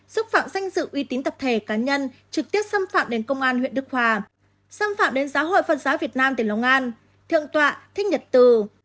xúc phạm danh dự uy tín tập thể cá nhân trực tiếp xâm phạm đến công an huyện đức hòa xâm phạm đến giáo hội phật giáo việt nam tỉnh long an thượng tọa thích nhật từ